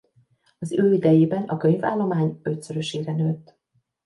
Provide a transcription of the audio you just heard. Az ő idejében a könyvállomány ötszörösére nőtt.